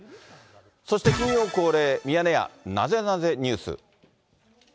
そして金曜恒例、ミヤネ屋ナゼナゼＮＥＷＳ。